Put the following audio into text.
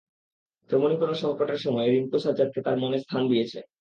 তেমনই কোনো সংকটের সময়ে রিংকু সাজ্জাদকে তার মনে স্থান দিয়েছে।